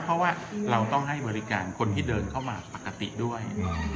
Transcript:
เพราะว่าเราต้องให้บริการคนที่เดินเข้ามาปกติด้วย